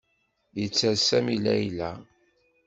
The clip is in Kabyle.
Yetter Sami Layla.